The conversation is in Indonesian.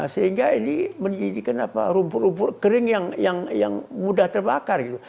sehingga ini menjadikan rumput rumput kering yang mudah terbakar gitu